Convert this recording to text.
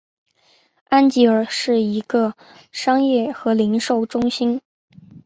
安吉尔是一个商业和零售中心。